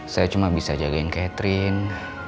saya cuma bisa jagain catherine